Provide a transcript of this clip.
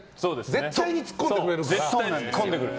絶対にツッコんでくれるから。